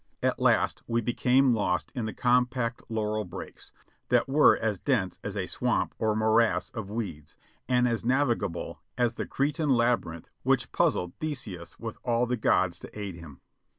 At last we be came lost in the compact laurel brakes, that were as dense as a swamp or morass of weeds, and as navigable as the Cretan laby rinth which puzzled Theseus with all the gods to aid him.